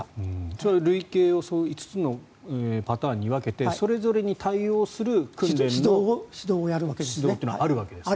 それは類型を５つのパターンに分けてそれぞれに対応する指導というのがあるわけですね。